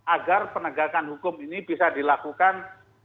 agar penegakan hukum ini bisa dilakukan